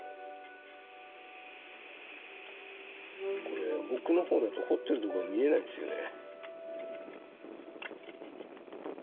これ奥の方だと彫ってるところ見えないんですよね。